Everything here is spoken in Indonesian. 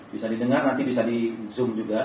bisa didengar nanti bisa di zoom juga